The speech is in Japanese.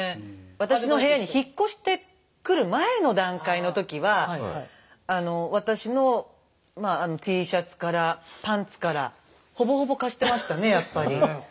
私の部屋に引っ越してくる前の段階の時は私のＴシャツからパンツからほぼほぼ貸してましたねやっぱり。